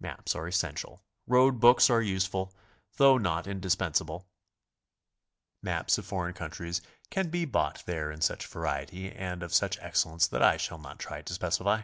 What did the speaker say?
Maps are essential; road books are useful, though not indispensable. Maps of foreign countries can be bought there in such variety and of such excellence that I shall not try to specify.